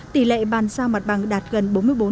tỷ lệ bàn giao mặt bằng đạt gần bốn mươi bốn